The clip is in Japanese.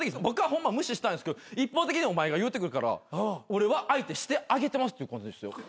僕はホンマ無視したいんですけど一方的にお前が言うてくるから俺は相手してあげてますっていうことですよ。